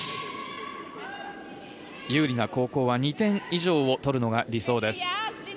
有利な後攻は２点以上を取るのが理想です。